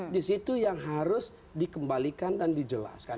di situ yang harus dikembalikan dan dijelaskan